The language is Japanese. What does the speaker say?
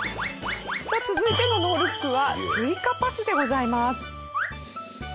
さあ続いてのノールックはスイカパスでございます。